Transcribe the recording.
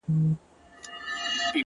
زړه مي د اشنا په لاس کي وليدی ـ